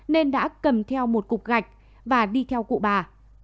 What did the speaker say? nên đã cầm theo một cục gạch và đi theo cụ bà